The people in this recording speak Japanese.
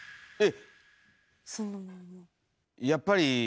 やっぱり。